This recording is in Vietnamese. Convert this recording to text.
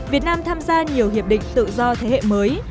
việt nam tham gia nhiều hiệp định tự do thế hệ mới